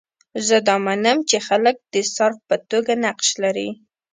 زه دا منم چې خلک د صارف په توګه نقش لري.